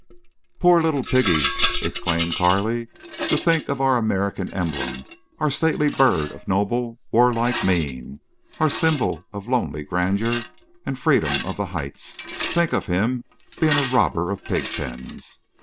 "Poor little piggy!" exclaimed Carley. "To think of our American emblem—our stately bird of noble warlike mien—our symbol of lonely grandeur and freedom of the heights—think of him being a robber of pigpens!